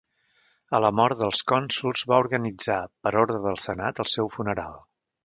A la mort dels cònsols va organitzar, per ordre del senat, el seu funeral.